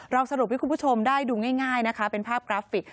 สรุปให้คุณผู้ชมได้ดูง่ายนะคะเป็นภาพกราฟิก